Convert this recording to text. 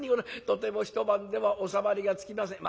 とても１晩では収まりがつきません。